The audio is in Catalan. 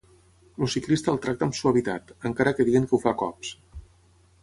El ciclista el tracta amb suavitat, encara que diguin que ho fa a cops.